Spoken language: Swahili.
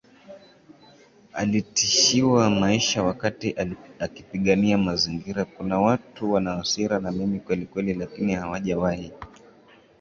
alitishiwa maisha wakati akipigania mazingiraKuna watu wana hasira na mimi kwelikweli lakini hawajawahi